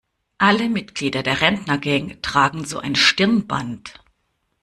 Alle Mitglieder der Rentnergang tragen so ein Stirnband.